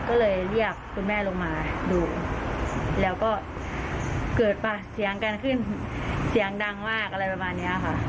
ก็เลยเรียกคุณแม่ลงมาดูแล้วก็เกิดป่ะเสียงกันขึ้นเสียงดังมากอะไรประมาณนี้ค่ะ